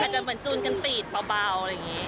อาจจะเหมือนจูนกันตีดเบาอะไรอย่างนี้